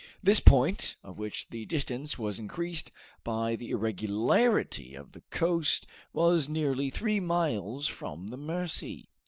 This point, of which the distance was increased by the irregularity of the coast, was nearly three miles from the Mercy.